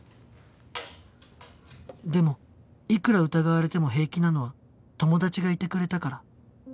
でもいくら疑われても平気なのは友達がいてくれたから